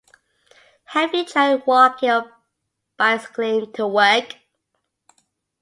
Have you tried walking or bicycling to work?